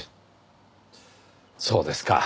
そうですか。